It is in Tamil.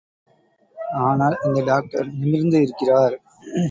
ஆனால், இந்த டாக்டர் நிமிர்ந்து இருக்கிறார்.